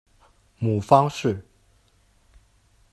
母方氏。